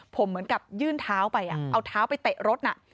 ผมเหมือนกับยื่นเท้าไปเอาเท้าไปเตะรถน่ะ